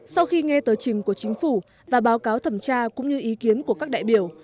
sau khi nghe tờ trình của chính phủ và báo cáo thẩm tra cũng như ý kiến của các đại biểu